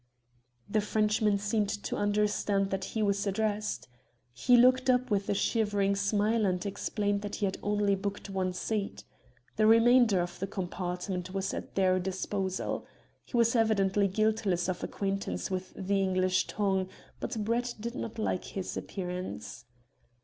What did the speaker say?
The Frenchman seemed to understand that he was addressed. He looked up with a shivering smile and explained that he had only booked one seat. The remainder of the compartment was at their disposal. He was evidently guiltless of acquaintance with the English tongue, but Brett did not like his appearance.